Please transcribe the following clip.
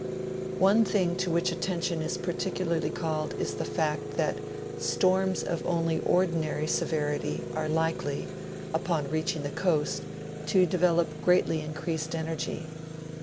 One thing to which attention is particularly called is the fact that storms of only ordinary severity are likely, upon reaching the coast, to develop greatly increased energy.